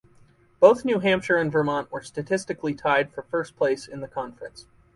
Both New Hampshire and Vermont were statistically tied for first place in the conference.